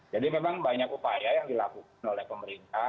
memang banyak upaya yang dilakukan oleh pemerintah